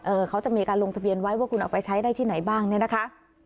เขาจะมีการลงทะเบียนไว้ว่าคุณเอาไปใช้ได้ที่ไหนบ้างเนี่ยนะคะ